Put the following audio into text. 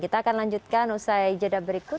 kita akan lanjutkan usai jeda berikut